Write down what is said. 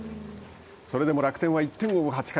それでも楽天は１点を追う８回。